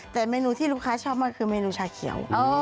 แต่เมนูที่ลูกค้าชอบมากคือเมนูชาเขียว